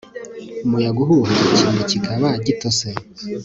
Umuyaga uhuha ikime kikaba gitose